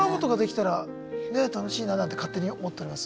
そうですね。なんて勝手に思っております